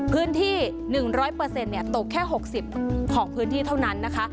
พื้นที่๑๐๐ตกแค่๖๐ของพื้นที่เท่านั้นนะคะ